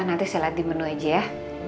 nanti saya lihat di menu aja ya